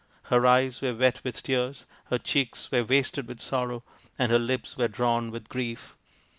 Her eyes were wet with tears, her cheeks were wasted with sorrow, and her lips were drawn with grief.